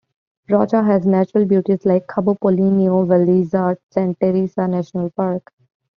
Rocha has natural beauties like Cabo Polonio, Valizas, Santa Teresa National Park.